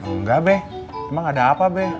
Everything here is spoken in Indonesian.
enggak be emang ada apa be